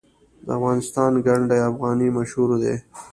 د افغانستان ګنډ افغاني مشهور دی